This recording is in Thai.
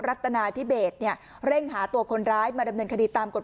รัฐนาธิเบสเนี่ยเร่งหาตัวคนร้ายมาดำเนินคดีตามกฎหมาย